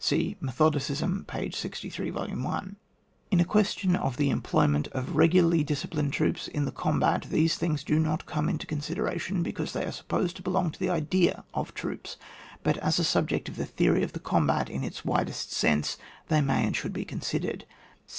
(See Methodicism, p. 63, Vol. L) In a question of the employment of regularly disciplined troops in the combat, these things do not come into consideration, because they are supposed to belong to the idea of troops. But, as a subject of the theory of the combat in its widest sense, they may and should be considered.